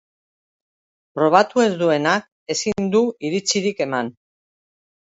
Probatu ez duenak ezin du iritzirik eman.